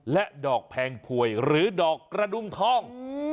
และดอกแพงผวยหรือดอกกระดุมทอง